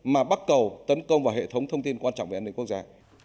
mà bắt cầu tấn công vào hệ thống thông tin quan trọng về an ninh quốc gia